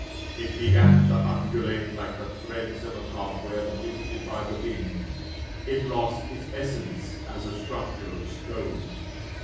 It began to undulate like the threads of a cobweb lifted by the wind. It lost its essence as a structure of stone.